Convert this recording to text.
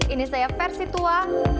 ini saya versi tua